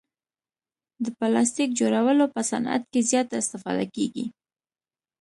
د پلاستیک جوړولو په صعنت کې زیاته استفاده کیږي.